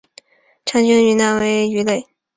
长臀云南鳅为鳅科云南鳅属的鱼类。